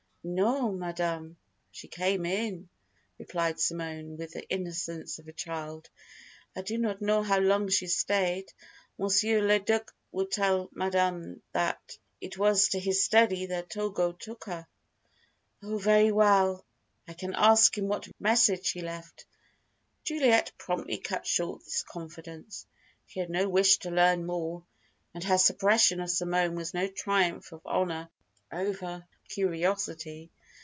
"No, Madame, she came in," replied Simone with the innocence of a child. "I do not know how long she stayed. Monsieur le Duc will tell Madame that. It was to his study that Togo took her." "Oh, very well. I can ask him what message she left," Juliet promptly cut short this confidence. She had no wish to learn more, and her suppression of Simone was no triumph of honour over curiosity.